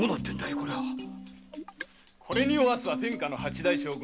これにおわすは天下の八代将軍